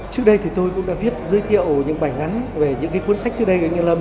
trước đây thì tôi cũng đã viết giới thiệu những bài ngắn về những cuốn sách trước đây của anh như lâm